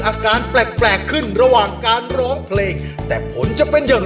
อาการแปลกแปลกขึ้นระหว่างการร้องเพลงแต่ผลจะเป็นอย่าง